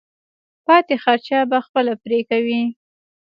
پاتې خرچه به خپله پرې کوې.